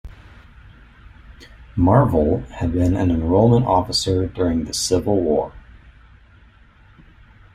Marvil had been an enrollment officer during the Civil War.